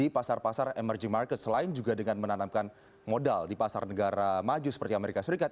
pasar pasar emerging market selain juga dengan menanamkan modal di pasar negara maju seperti amerika serikat